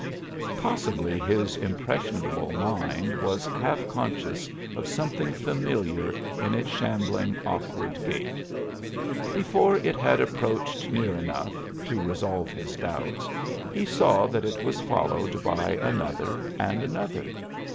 Possibly his impressionable mind was half conscious of something familiar in its shambling, awkward gait. Before it had approached near enough to resolve his doubts he saw that it was followed by another and another.